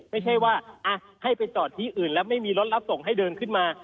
ไม่ใช่ว่าให้ไปจอดที่อื่นแล้วไม่มีรถรับส่งให้เดินขึ้นมา